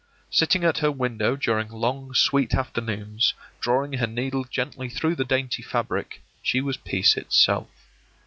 Sitting at her window during long sweet afternoons, drawing her needle gently through the dainty fabric, she was peace itself.